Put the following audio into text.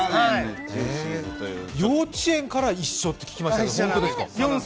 幼稚園から一緒と聞きましたけど？